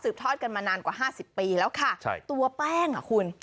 ทอดกันมานานกว่าห้าสิบปีแล้วค่ะใช่ตัวแป้งอ่ะคุณ